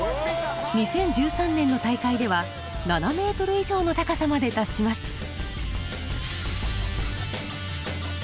２０１３年の大会では７ｍ以上の高さまで達します。